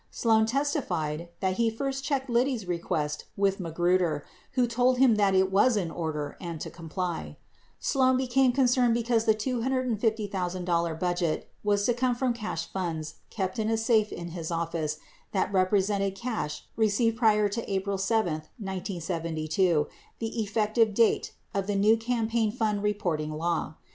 4 Sloan testified that he first checked Liddy 's request with Magruder, who told him that it was in order and to comply. Sloan became concerned because the $250,000 budget was to come from cash funds kept in a safe in his office that represented cash received prior to April 7, 1972, the effective date of the new Campaign Fund Reporting Law.